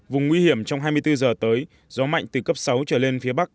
vùng nguy hiểm trong hai mươi bốn giờ tới gió mạnh từ cấp sáu trở lên phía bắc